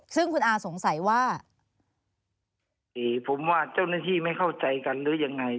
ซึ่งคุณอาสงสัยว่าผมว่าเจ้าหน้าที่ไม่เข้าใจกันหรือยังไง